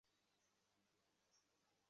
হেই, তোকে দায়িত্ববান হতে হবে।